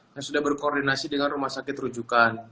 yang sudah berkoordinasi dengan rumah sakit rujukan